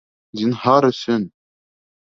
Зинһар өсөн!